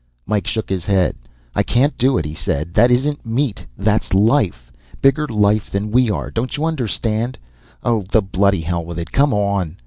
Mike shook his head. "I can't do it," he said. "That isn't meat. That's life. Bigger life than we are. Don't you understand? Oh, the bloody hell with it! Come on."